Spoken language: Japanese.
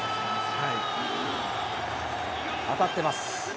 あたってます。